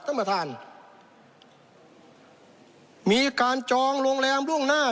ท่านประธานมีการจองโรงแรมล่วงหน้า